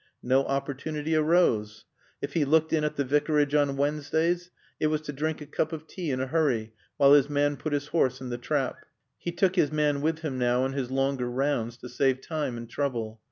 No opportunity arose. If he looked in at the Vicarage on Wednesdays it was to drink a cup of tea in a hurry while his man put his horse in the trap. He took his man with him now on his longer rounds to save time and trouble.